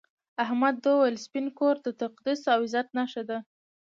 احمد وویل سپین کور د تقدس او عزت نښه ده.